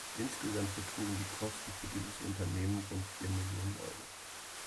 Insgesamt betrugen die Kosten für dieses Unternehmen rund vier Millionen Euro.